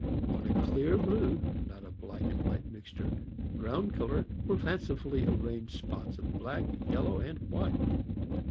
On a clear blue (not a black and white mixture) ground color were fancifully arranged spots of black,, yellow, and white.